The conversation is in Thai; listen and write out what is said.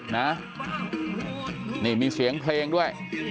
นะนี่มีเสียงเพลงด้วย